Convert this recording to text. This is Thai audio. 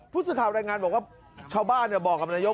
ผู้สื่อข่าวรายงานบอกว่าชาวบ้านบอกกับนายก